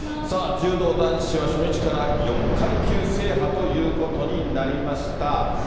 柔道男子は、初日から４階級制覇ということになりました。